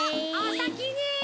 おさきに！